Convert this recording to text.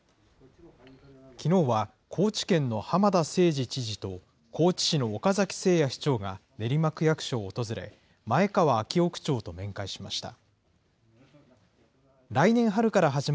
きのうは高知県の浜田省司知事と、高知市の岡崎誠也市長が練馬区役所を訪れ、前川燿男区長と面会しました。